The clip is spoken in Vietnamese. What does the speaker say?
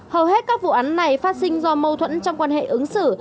hầu hết các vụ án này phát sinh do mâu thuẫn trong quan hệ ứng xử